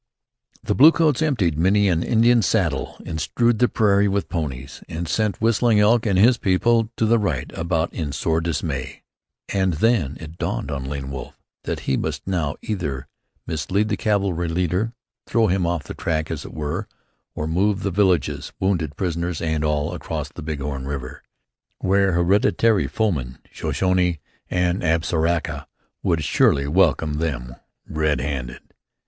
The blue coats emptied many an Indian saddle and strewed the prairie with ponies, and sent Whistling Elk and his people to the right about in sore dismay, and then it dawned on Lame Wolf that he must now either mislead the cavalry leader, throw him off the track, as it were, or move the villages, wounded, prisoners and all across the Big Horn river, where hereditary foemen, Shoshone and Absaraka, would surely welcome them red handed.